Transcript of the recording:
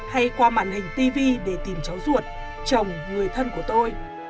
hay qua màn hình tv để tìm cháu ruột chồng người thân của tôi